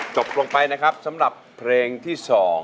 จบลงไปนะครับสำหรับเพลงที่๒